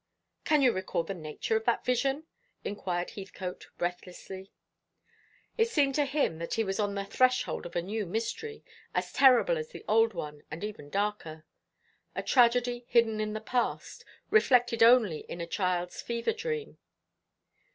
"Can you recall the nature of that vision?" inquired Heathcote breathlessly. It seemed to him that he was on the threshold of a new mystery as terrible as the old one, and even darker: a tragedy hidden in the past, reflected only in a child's fever dream.